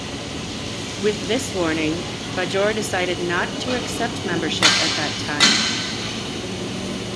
With this warning, Bajor decided not to accept membership at that time.